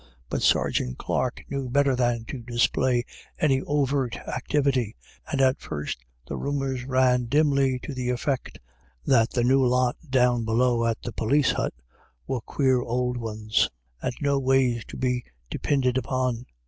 But Sergeant Clarke knew better than to display any overt activity, and at first the rumours ran dimly to the effect that \\ GOT THE BETTER OF. 113 "the new lot down below at the polis hut were quare ould ones, and noways to be depinded upon."